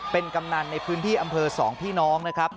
เป็นกำนันในพื้นที่อำเภอ๒พี่น้องนะครับ